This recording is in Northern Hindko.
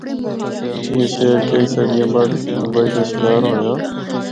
اے شہر کئی صدیاں بعد اتنی تباہی دا شکار ہویا۔